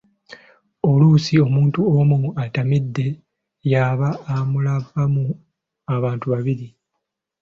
Oluusi omuntu omu , atamidde, y'aba amulabamu abantu babiri.